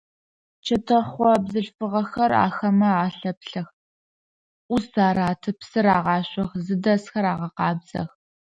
Чэтэхъо бзылъфыгъэхэр ахэмэ алъэплъэх, ӏус араты, псы рагъашъох, зыдэсхэр агъэкъабзэх.